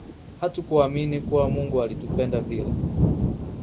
Hatukuamini kuwa Mungu alitupenda vile